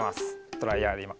ドライヤーでいま。